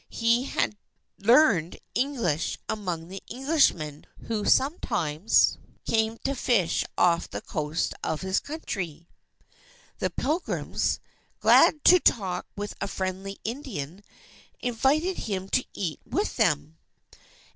He had learned English among the Englishmen who sometimes came to fish off the coast of his country. The Pilgrims, glad to talk with a friendly Indian, invited him to eat with them.